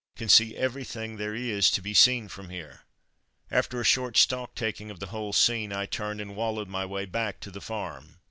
"Can see everything there is to be seen from here." After a short stocktaking of the whole scene, I turned and wallowed my way back to the farm.